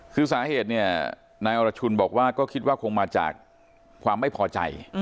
คือสาเหตุเนี่ยนายอรชุนบอกว่าก็คิดว่าคงมาจากความไม่พอใจ